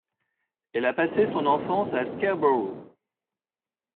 Elle a passé son enfance à Scarborough.